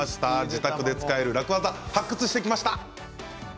自宅で使える楽ワザ発掘してきました。